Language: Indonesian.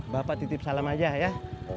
bapak titip salam aja ya